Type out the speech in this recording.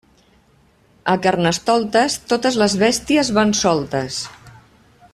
A Carnestoltes, totes les bèsties van soltes.